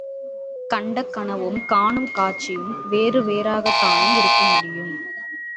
கண்ட கனவும், காணும் காட்சியும் வேறு வேறாகத் தானே இருக்க முடியும்.